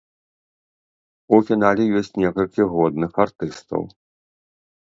У фінале ёсць некалькі годных артыстаў.